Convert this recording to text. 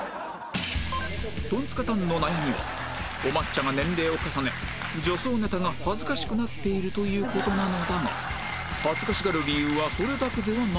トンツカタンの悩みはお抹茶が年齢を重ね女装ネタが恥ずかしくなっているという事なのだが恥ずかしがる理由はそれだけではなく